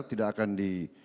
tidak akan di